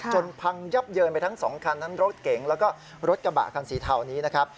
พังยับเยินไปทั้งสองคันทั้งรถเก๋งแล้วก็รถกระบะคันสีเทานี้นะครับ